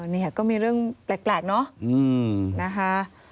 เนี่ยก็มีเรื่องแปลกเนาะ